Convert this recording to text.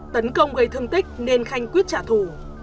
tấn công gây thương tích nên khanh quyết trả thù